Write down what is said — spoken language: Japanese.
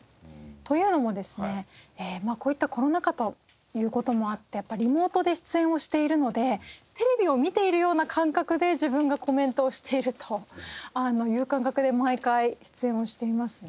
というのもですねこういったコロナ禍という事もあってリモートで出演をしているのでテレビを見ているような感覚で自分がコメントをしているという感覚で毎回出演をしていますね。